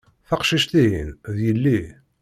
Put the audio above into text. Taqcict-ihin, d yelli.